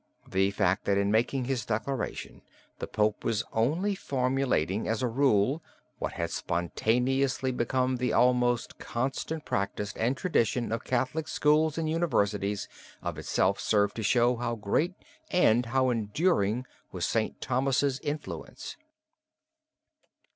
The fact that in making his declaration the Pope was only formulating as a rule, what had spontaneously become the almost constant practice and tradition of Catholic schools and universities, of itself served to show how great and how enduring was St. Thomas's influence.